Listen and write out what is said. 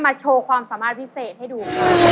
โชว์ความสามารถพิเศษให้ดู